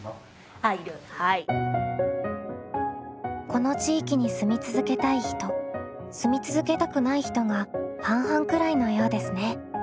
この地域に住み続けたい人住み続けたくない人が半々くらいのようですね。